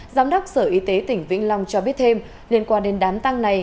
giám đốc sở y tế tỉnh vĩnh long cho biết thêm liên quan đến đám tăng này